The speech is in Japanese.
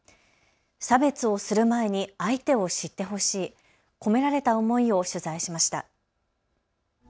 差別をする前に相手を知ってほしい。込められた思いを取材しました。